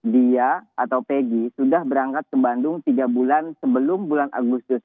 dia atau pegi sudah berangkat ke bandung tiga bulan sebelum bulan agustus